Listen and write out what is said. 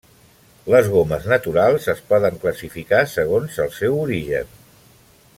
Les gomes naturals es poden classificar segons el seu origen.